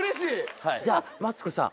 じゃあマツコさん。